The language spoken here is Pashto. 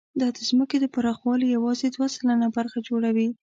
دا د ځمکې د پراخوالي یواځې دوه سلنه برخه جوړوي.